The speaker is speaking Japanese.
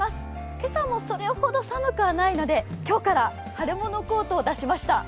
今朝もそれほど寒くはないので、今日から春物コートを出しました。